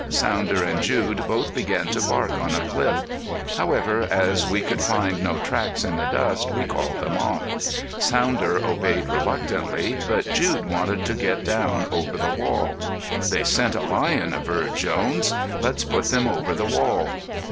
Sounder and Jude both began to bark on a cliff; however, as we could find no tracks in the dust we called them off. Sounder obeyed reluctantly, but Jude wanted to get down over the wall. "They scent a lion," averred Jones. "Let's put them over the wall."